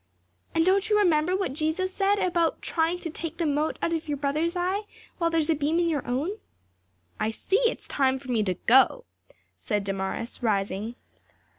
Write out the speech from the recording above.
"And don't you remember what Jesus said about trying to take the mote out of your brother's eye while there is a beam in your own?" "I see its time for me to go," said Damaris, rising.